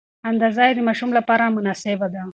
اندازه یې د ماشوم لپاره مناسبه ده.